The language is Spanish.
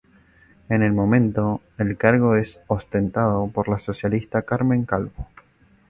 En el momento el cargo es ostentado por la socialista Carmen Calvo.